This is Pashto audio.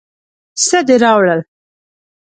څه دې راوړل.